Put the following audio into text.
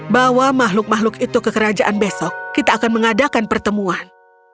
bawa makhluk makhluk itu ke kerajaan besok kita akan mengadakan pertemuan